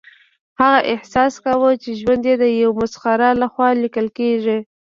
هغه احساس کاوه چې ژوند یې د یو مسخره لخوا لیکل کیږي